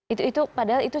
itu itu padahal itu